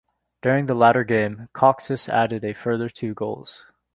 During the latter game Kocsis added a further two goals.